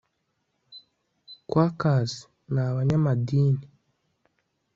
quakers ni abanyamadini